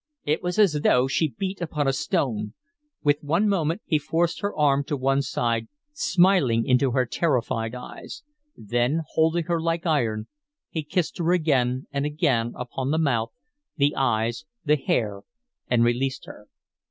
It was as though she beat upon a stone. With one movement he forced her arm to her side, smiling into her terrified eyes; then, holding her like iron, he kissed her again and again upon the mouth, the eyes, the hair and released her.